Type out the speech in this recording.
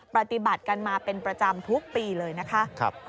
ปฏิบัติกันมาเป็นประจำทุกปีเลยนะคะ